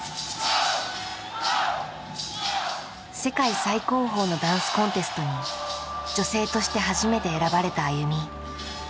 世界最高峰のダンスコンテストに女性として初めて選ばれたＡＹＵＭＩ。